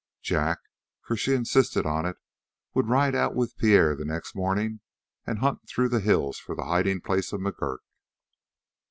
Jack, for she insisted on it, would ride out with Pierre the next morning and hunt through the hills for the hiding place of McGurk.